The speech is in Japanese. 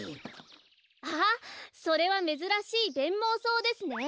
ああそれはめずらしいベンモウソウですね。